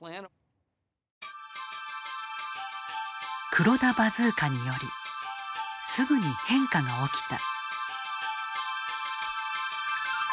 黒田バズーカによりすぐに変化が起きた。